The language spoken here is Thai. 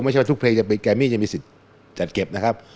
ไม่ใช่ว่าทุกเพลงแกรมมี่จะมีสิทธิ์จัดเก็บนะครับ